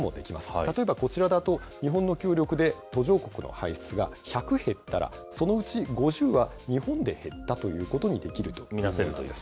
例えばこちらだと、日本の協力で途上国の排出が１００減ったら、そのうち５０は日本で減ったということにできるということなんです。